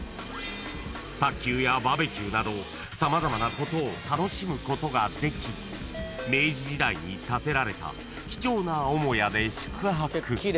［卓球やバーベキューなど様々なことを楽しむことができ明治時代に建てられた貴重な母屋で宿泊］